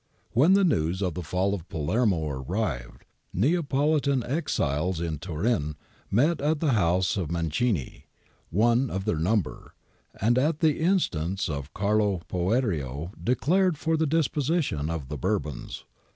When the news of the fall of Palermo arrived, the Neapolitan exiles in Turin met at the house of Mancini, one of their number, and at the instance of Carlo Poerio declared for the deposition of the Bourbons.